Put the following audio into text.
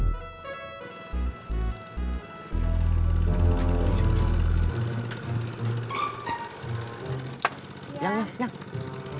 yang yang yang